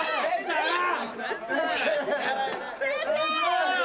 先生！